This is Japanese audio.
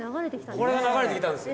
これが流れてきたんです。